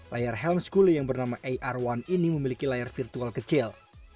layar helm schooling yang bernama ar satu ini memiliki layar virtual kecil